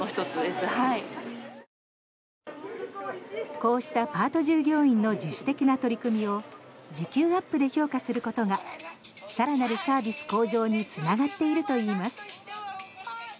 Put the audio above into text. こうしたパート従業員の自主的な取り組みを時給アップで評価することが更なるサービス向上につながっているといいます。